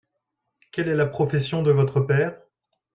Quelle est la profession de votre père ?